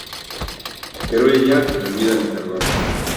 Pero ella, ni olvida ni perdona.